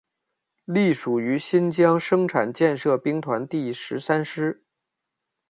隶属于新疆生产建设兵团第十三师。